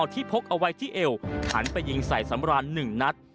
พกเอาไว้ที่เอวหันไปยิงใส่สำราน๑นัด